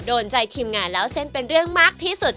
โดนใจทีมงานเล่าเส้นเป็นเรื่องมากที่สุด